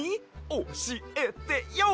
おしえてＹＯ！